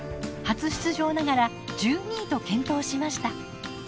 初出場ながら１２位と健闘しました。